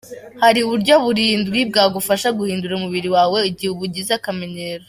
Hari uburyo burindwi bwagufasha guhindura umubiri wawe igihe ubugize akamenyero.